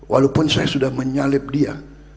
walaupun saya sudah menyalip dia